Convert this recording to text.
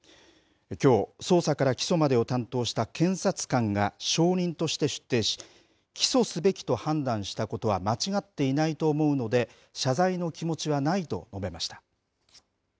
きょう、捜査から起訴までを担当した検察官が証人として出廷し、起訴すべきと判断したことは間違っていないと思うので、謝罪の気持ちはないと述べました。